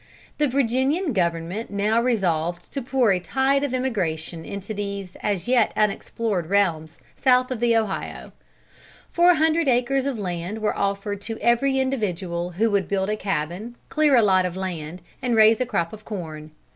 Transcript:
The Virginian government now resolved to pour a tide of emigration into these as yet unexplored realms, south of the Ohio. Four hundred acres of land were offered to every individual who would build a cabin, clear a lot of land, and raise a crop of corn.